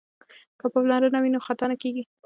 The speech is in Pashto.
که پاملرنه وي نو خطا نه کیږي.